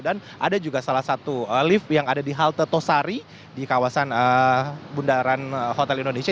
dan ada juga salah satu lift yang ada di halte tosari di kawasan bundaran hotel indonesia